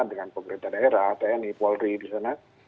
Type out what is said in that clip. dengan pemerintah daerah tni polri di sana